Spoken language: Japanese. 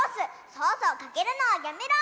ソースをかけるのはやめろ！